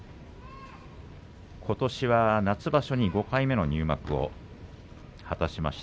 ことしは夏場所に５回目の入幕を果たしました。